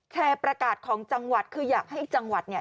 ประกาศของจังหวัดคืออยากให้จังหวัดเนี่ย